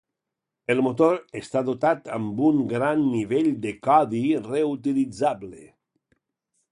El motor està dotat amb un gran nivell de codi reutilitzable.